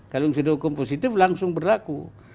kalau sudah hukum positif langsung berlaku